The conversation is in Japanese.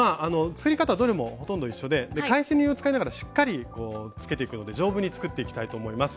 どれもほとんど一緒で返し縫いを使いながらしっかりつけていくので丈夫に作っていきたいと思います。